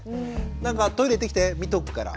なんか「トイレ行ってきて見とくから」